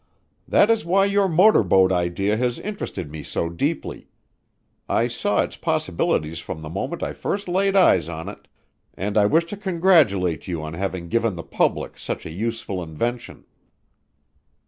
That is why your motor boat idea has interested me so deeply. I saw its possibilities from the moment I first laid eyes on it, and I wish to congratulate you on having given the public such a useful invention."